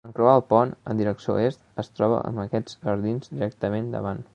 En creuar el pont en direcció est, es troba amb aquests jardins directament davant.